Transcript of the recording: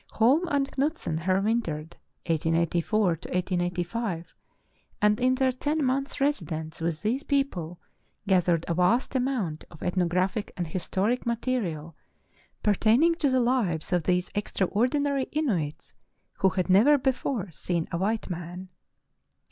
Holm and Knutsen here wintered, 1884 5, and in their ten months' residence with these people gathered a vast amount of ethnographic and historic material pertain ing to the lives of these extraordinary Inuits, who had never before seen a white man.